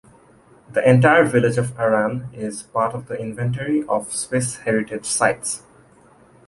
The entire village of Aran is part of the Inventory of Swiss Heritage Sites.